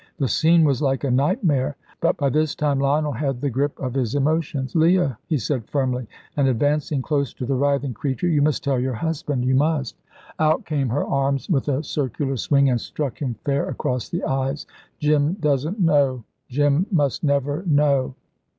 The scene was like a nightmare; but by this time Lionel had the grip of his emotions. "Leah," he said firmly, and advancing close to the writhing creature, "you must tell your husband; you must " Out came her arms with a circular swing, and struck him fair across the eyes. "Jim doesn't know; Jim must never know."